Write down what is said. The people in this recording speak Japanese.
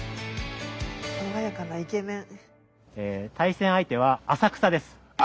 爽やかなイケメン。